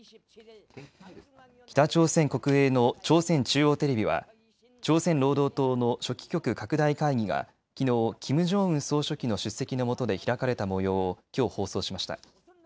北朝鮮国営の朝鮮中央テレビは朝鮮労働党の書記局拡大会議がきのうキム・ジョンウン総書記の出席のもとで開かれたもようをきょう放送しました。